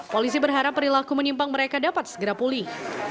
polisi berharap perilaku menyimpang mereka dapat segera pulih